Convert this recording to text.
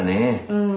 うん。